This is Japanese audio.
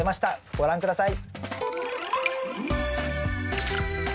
ご覧下さい。